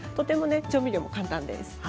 調味料もとても簡単です。